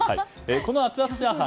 この熱々チャーハン